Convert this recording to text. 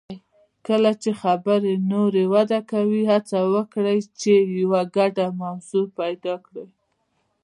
کله چې خبرې نوره وده کوي، هڅه وکړئ چې یو ګډه موضوع پیدا کړئ.